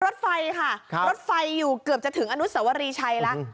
รถไฟค่ะรถไฟอยู่เกือบจะถึงอนุสวรีชัยแล้ว